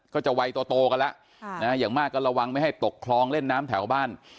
ก็จะวัยโตกันแล้วอย่างมากก็ระวังไม่ให้ตกคลองเล่นน้ำแถวบ้าน